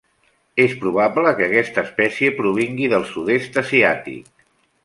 És probable que aquesta espècie provingui del sud-est asiàtic.